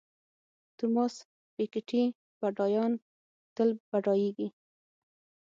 توماس پیکیټي بډایان تل بډایېږي.